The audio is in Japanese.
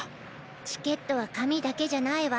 チケットは紙だけじゃないわ。